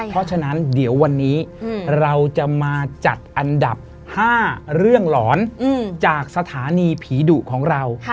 เพราะฉะนั้นเดี๋ยววันนี้เราจะมาจัดอันดับ๕เรื่องหลอนจากสถานีผีดุของเรา